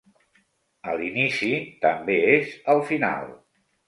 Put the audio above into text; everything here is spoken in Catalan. A l'inici també és al final.